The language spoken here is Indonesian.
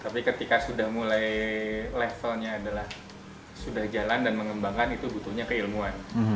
tapi ketika sudah mulai levelnya adalah sudah jalan dan mengembangkan itu butuhnya keilmuan